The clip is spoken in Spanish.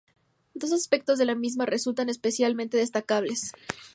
Dos aspectos de la misma resultan especialmente destacables.